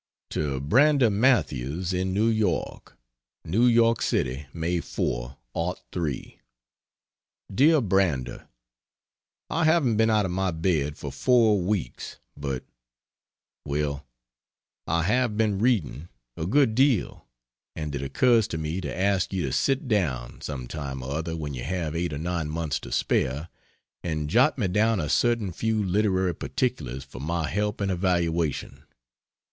To Brander Matthews, in New York: NEW YORK CITY, May 4, '03. DEAR BRANDER, I haven't been out of my bed for four weeks, but well, I have been reading, a good deal, and it occurs to me to ask you to sit down, some time or other when you have 8 or 9 months to spare, and jot me down a certain few literary particulars for my help and elevation.